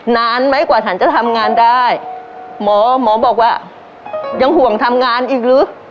นานไหมกว่าฉันจะทำงานได้หมอหมอบอกว่ายังห่วงทำงานอีกหรือ